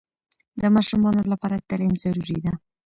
د ماشومانو لپاره تعلیم ضروري ده